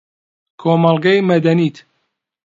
کۆمەڵگەی مەدەنیت